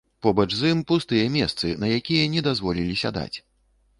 Побач з ім пустыя месцы, на якія не дазволілі сядаць.